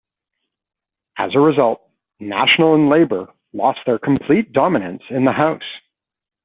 As a result, National and Labour lost their complete dominance in the House.